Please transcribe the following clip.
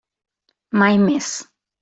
Mai més!